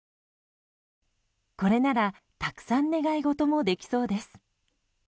これなら、たくさん願い事もできそうです。